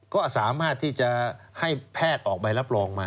ก็สามารถที่จะให้แพทย์ออกใบรับรองมา